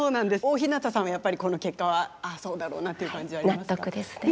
大日向さんはやっぱりこの結果はああそうだろうなっていう感じありますか？